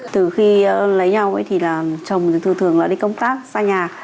từ khi lấy nhau thì là chồng thường là đi công tác xa nhà